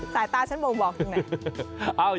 ใส่ตาฉันบอกตรงไหน